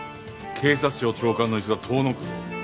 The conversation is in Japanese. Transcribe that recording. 警察庁長官の椅子が遠のくぞ。